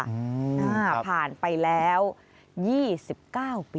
อ่าผ่านไปแล้ว๒๙ปี